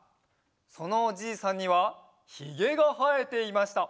そのおじいさんにはひげがはえていました。